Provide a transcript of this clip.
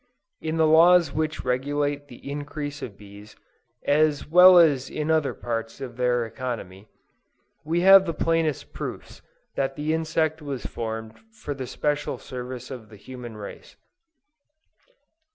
In the laws which regulate the increase of bees as well as in all other parts of their economy, we have the plainest proofs that the insect was formed for the special service of the human race.